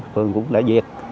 phường cũng đã duyệt